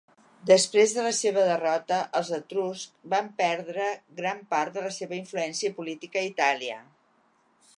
Després de la seva derrota, els Etruscs van perdre gran part de la seva influència política a Itàlia.